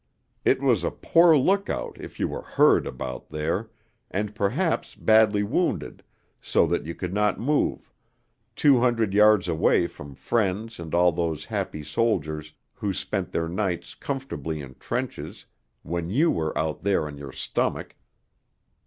It was a poor look out if you were heard about there, and perhaps badly wounded, so that you could not move, two hundred yards away from friends and all those happy soldiers who spent their nights comfortably in trenches when you were out there on your stomach.